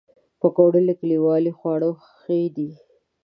پکورې له کلیوالي خواړو ښې دي